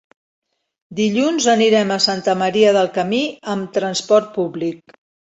Dilluns anirem a Santa Maria del Camí amb transport públic.